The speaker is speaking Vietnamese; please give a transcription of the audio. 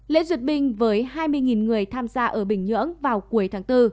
lễ ruột bình với hai mươi người tham gia ở bình nhưỡng vào cuối tháng bốn